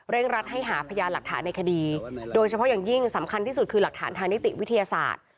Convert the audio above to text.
รัฐให้หาพยานหลักฐานในคดีโดยเฉพาะอย่างยิ่งสำคัญที่สุดคือหลักฐานทางนิติวิทยาศาสตร์